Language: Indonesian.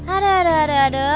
aduh aduh aduh aduh